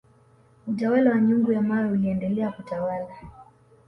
utawala wa nyungu ya mawe uliendelea kutawala